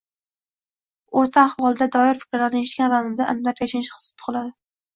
O’rda ahvoliga doir fikrlarni eshitgan Ra’noda Anvarga achinish hissi tug’iladi.